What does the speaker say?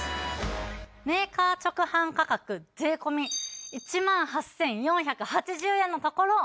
メーカー直販価格税込１万８４８０円のところ。